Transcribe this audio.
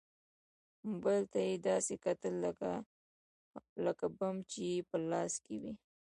موبايل ته يې داسې کتل لکه بم چې يې په لاس کې وي.